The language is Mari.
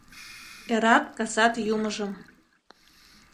Эрат-касат юмыжым